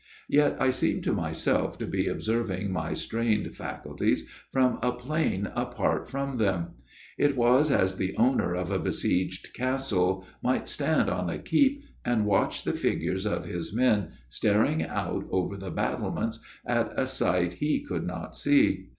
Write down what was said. Yet I seemed to myself to be observing my strained faculties from a plane apart from them. It was as the owner of a besieged castle might stand on a keep and watch the figures of his men staring out over the battlements at a sight he could not see.